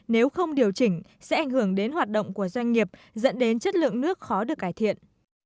nếu không điều chỉnh sẽ ảnh hưởng đến hoạt động của doanh nghiệp dẫn đến chất lượng nước khó được cải thiện